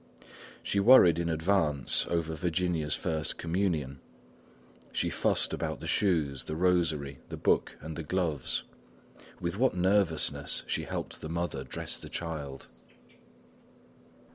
She worried in advance over Virginia's first communion. She fussed about the shoes, the rosary, the book and the gloves. With what nervousness she helped the mother dress the child!